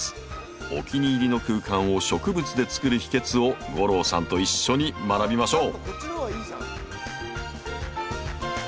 お気に入りの空間を植物で作る秘訣を吾郎さんと一緒に学びましょう！